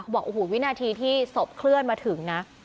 บอกโอ้โหวินาทีที่ศพเคลื่อนมาถึงนะ